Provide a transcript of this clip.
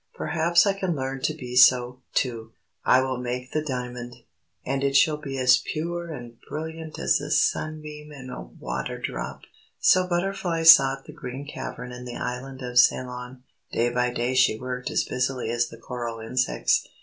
Perhaps I can learn to be so, too. I will make the diamond. And it shall be as pure and brilliant as a sunbeam in a water drop!" So Butterfly sought the Green Cavern in the Island of Ceylon. Day by day she worked as busily as the coral insects.